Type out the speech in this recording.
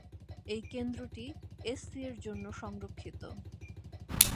এই কেন্দ্রটি এসসি এর জন্য সংরক্ষিত।